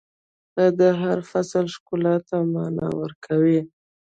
• ته د هر فصل ښکلا ته معنا ورکوې.